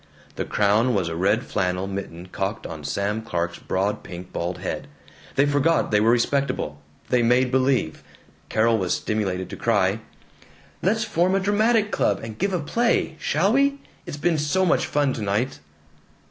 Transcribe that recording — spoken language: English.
The crown was a red flannel mitten cocked on Sam Clark's broad pink bald head. They forgot they were respectable. They made believe. Carol was stimulated to cry: "Let's form a dramatic club and give a play! Shall we? It's been so much fun tonight!"